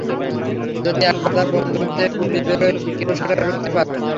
যদি একবার তার বন্দুক থেকে গুলি বেরোয়, কেউ সেটা রুখতে পারবে না।